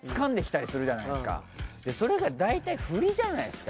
それが大体フリじゃないですか。